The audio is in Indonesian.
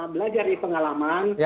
belajar di pengalaman